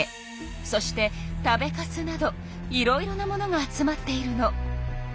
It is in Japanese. そして食べカスなどいろいろなものが集まっているの。